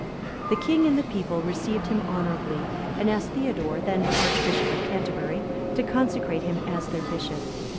The king and the people received him honourably, and asked Theodore, then Archbishop of Canterbury, to consecrate him as their bishop.